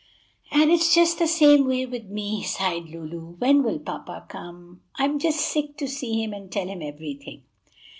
and it's just the same way with me!" sighed Lulu. "When will papa come? I'm just sick to see him and tell him everything!"